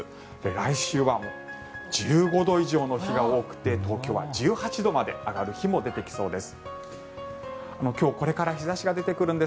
来週は１５度以上の日が多くて東京は１８度まで上がる日も出てきそうです。